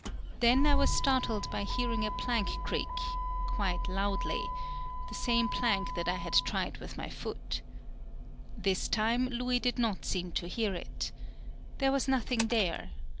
Then I was startled by hearing a plank creak quite loudly, the same plank that I had tried with my foot. This time Louis did not seem to hear it. There was nothing there.